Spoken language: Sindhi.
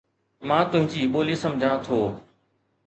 مان تنهنجي ٻولي سمجهان ٿو.